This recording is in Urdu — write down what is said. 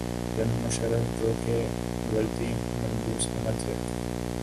جنرل مشرف جوکہ وردی ملبوس آمر تھے۔